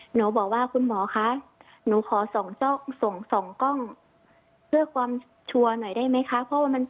หนูบอกว่าคุณหมอคะหนูขอส่องกล้องเพื่อความชัวร์หน่อยได้ไหมคะเพราะว่ามัน